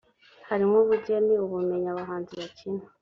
harimo ubugeni, ubumenyi, abahanzi bakina